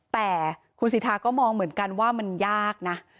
แต่คุณสิทธาก็มองเหมือนกันว่ามันยากนะ